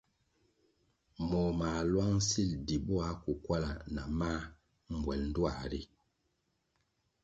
Moh mā lwang sil di bo akukwala na mā mbwel ndtuā ri.